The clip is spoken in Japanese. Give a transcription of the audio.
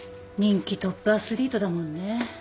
人気トップアスリートだもんね。